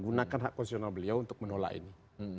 gunakan hak konstitusional beliau untuk menolak ini